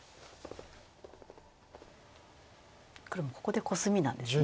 黒もここでコスミなんですね。